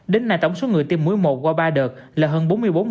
đến nay tổng số người tiêm muối một qua ba đợt là hơn bốn mươi bốn